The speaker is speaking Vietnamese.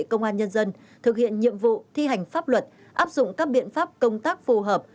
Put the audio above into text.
công an nhân dân thực hiện nhiệm vụ thi hành pháp luật áp dụng các biện pháp công tác phù hợp